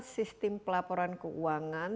sistem pelaporan keuangan